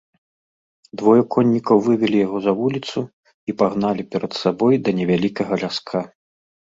Двое коннікаў вывелі яго за вуліцу і пагналі перад сабой да невялікага ляска.